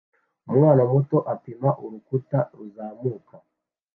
Umwana muto apima urukuta ruzamuka